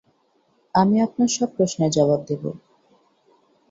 আমি আপনার সব প্রশ্নের জবাব দেব।